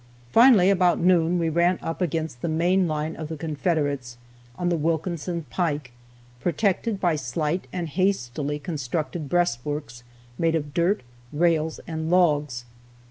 Finally, about noon, we ran up against the main line of the Confederates, on the Wilkinson pike, protected by slight and hastily constructed breastworks, made of dirt, rails, and logs.